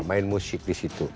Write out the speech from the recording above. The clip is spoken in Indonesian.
main musik di situ